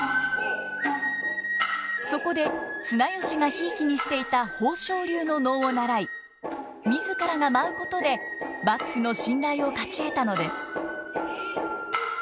そこで綱吉がひいきにしていた宝生流の能を習い自らが舞うことで幕府の信頼を勝ち得たのです。